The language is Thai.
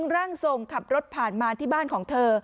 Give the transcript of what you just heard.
ร่างทรงขับรถผ่านมาที่บ้านของเธอ